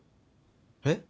えっ？